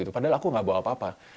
padahal aku gak bawa apa apa